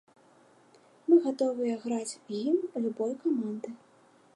Мы гатовыя граць гімн любой каманды.